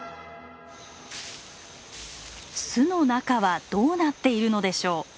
巣の中はどうなっているのでしょう。